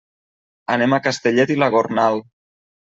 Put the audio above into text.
Anem a Castellet i la Gornal.